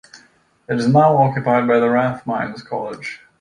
It is now occupied by Rathmines College.